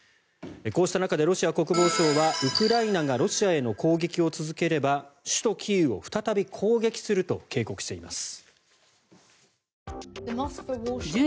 こうした中でロシア国防省はウクライナがロシアへの攻撃を続ければ首都キーウを再び攻撃すると警告しています。